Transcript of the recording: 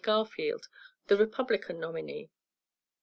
Garfield, the Republican nominee.